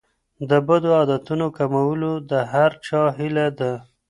د بدو عادتونو کمول د هر چا هیله ده.